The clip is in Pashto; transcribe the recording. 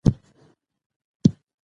پوهه د پوهې په لاره کې خنډونه ختموي.